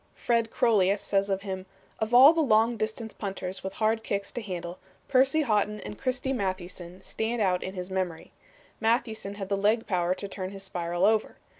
Fred Crolius says of him: "Of all the long distance punters with hard kicks to handle, Percy Haughton and Christy Mathewson stand out in his memory. Mathewson had the leg power to turn his spiral over.